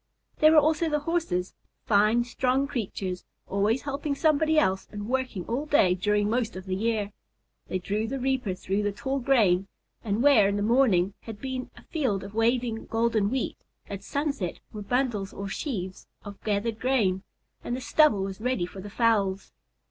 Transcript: There were also the Horses, fine strong creatures, always helping somebody else and working all day during most of the year. They drew the reaper through the tall grain, and where in the morning had been a field of waving golden wheat, at sunset were bundles or sheaves of gathered grain, and the stubble was ready for the fowls.